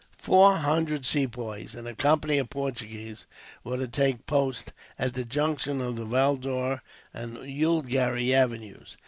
Four hundred Sepoys and a company of Portuguese were to take post at the junction of the Valdore and Oulgarry avenues.